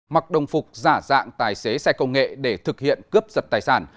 mặc đồng phục giả dạng tài xế xe công nghệ để thực hiện cướp giật tài sản